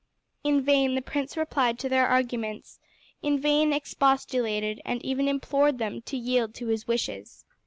In vain the prince replied to their arguments, in vain expostulated, and even implored them to yield to his wishes.